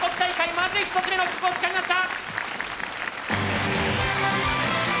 まず１つ目の切符をつかみました。